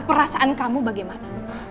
perasaan kamu bagaimana